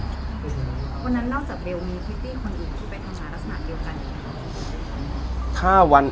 วันนั้นนอกจากเบลมีพิธีคนอื่นที่ไปทำงานลักษณะเดียวกัน